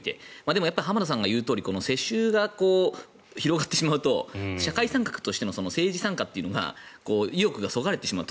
でも、やっぱり浜田さんが言うとおり世襲が広がってしまうと社会参画としての政治参加というのが意欲がそがれてしまう。